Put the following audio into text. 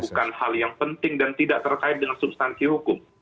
bukan hal yang penting dan tidak terkait dengan substansi hukum